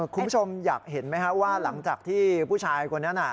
คุณผู้ชมอยากเห็นไหมครับว่าหลังจากที่ผู้ชายคนนั้น